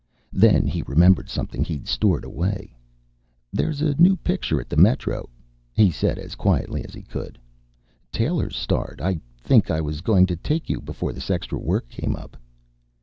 Then he remembered something he'd stored away. "There's a new picture at the Metro," he said as quietly as he could. "Taylor's starred, I think. I was going to take you, before this extra work came up."